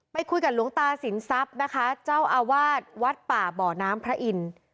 ไปคุยกับหลวงตาสินทรัพย์นะคะเจ้าอาวาสวัดป่าบ่อน้ำพระอินทร์